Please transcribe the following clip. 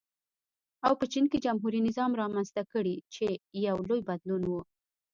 او په چین کې جمهوري نظام رامنځته کړي چې یو لوی بدلون و.